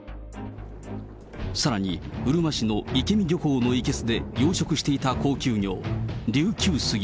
さらに、うるま市の池味漁港の生けすで養殖していた高級魚、琉球スギ